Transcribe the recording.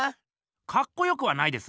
かっこよくはないです。